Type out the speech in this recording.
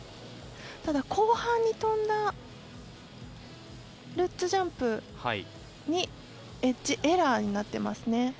ただ、後半に跳んだルッツジャンプがエッジエラーになっていますね。